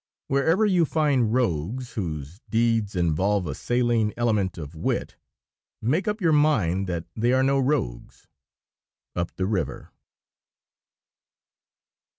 Wherever you find rogues whose deeds involve a saline element of wit, make up your mind that they are no rogues. _Up the River.